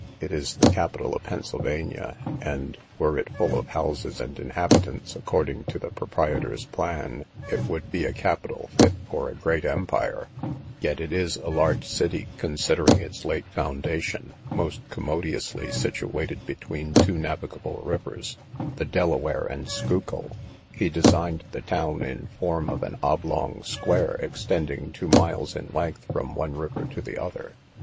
It is the capital of Pennsylvania, and, were it full of houses and inhabitants, according to the proprietor's plan, it would be a capital fit for a great empire; yet it is a large city, considering its late foundation, most commodiously situated between two navigable rivers, the Delaware and Schuylkill. He designed the town in form of an oblong square, extending two miles in length from one river to the other.